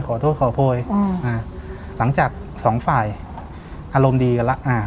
ขอโทษขอโพยหลังจากสองฝ่ายอารมณ์ดีกันแล้ว